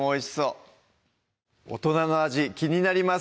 大人の味気になります